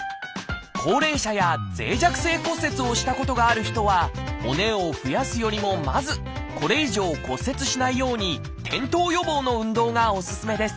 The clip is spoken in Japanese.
高齢者や脆弱性骨折をしたことがある人は骨を増やすよりもまずこれ以上骨折しないように転倒予防の運動がおすすめです。